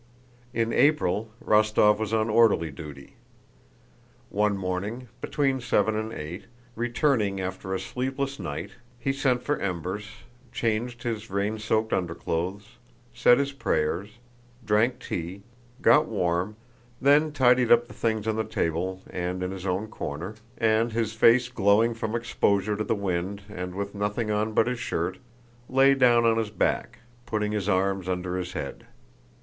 In April, Rostóv was on orderly duty. One morning, between seven and eight, returning after a sleepless night, he sent for embers, changed his rain soaked underclothes, said his prayers, drank tea, got warm, then tidied up the things on the table and in his own corner, and, his face glowing from exposure to the wind and with nothing on but his shirt, lay down on his back, putting his arms under his head.